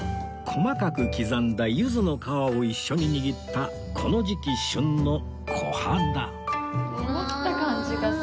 細かく刻んだ柚子の皮を一緒に握ったこの時期旬のコハダ